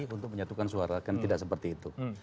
untuk menyatukan suara kan tidak seperti itu